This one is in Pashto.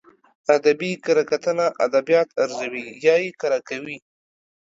ادبي کره کتنه ادبيات ارزوي يا يې کره کوي.